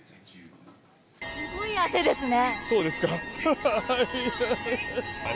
すごい汗ですね。